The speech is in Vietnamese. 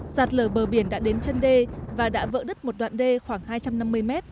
sạt lở bờ biển đã đến chân đê và đã vỡ đứt một đoạn đê khoảng hai trăm năm mươi mét